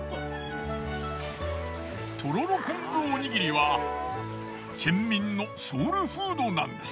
とろろ昆布おにぎりは県民のソウルフードなんです。